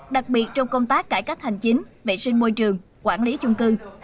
đặc biệt trong công tác cải cách hành chính vệ sinh môi trường quản lý chung cư